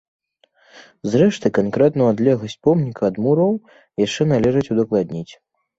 Зрэшты, канкрэтную адлегласць помніка ад муроў яшчэ належыць удакладніць.